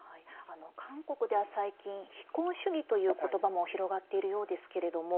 韓国では最近非婚主義という言葉も広がっているようですけども